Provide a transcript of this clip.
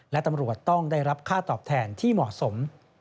และตำรวจต้องได้รับค่าตอบแทนที่เหมาะสม